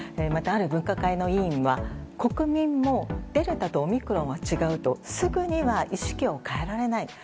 また、ある分科会の委員は国民もデルタとオミクロンは違うとすぐには意識を変えられない。